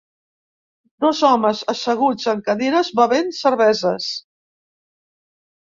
Dos homes asseguts en cadires bevent cerveses.